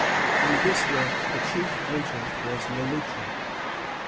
In this work the chief agent was Le Loutre.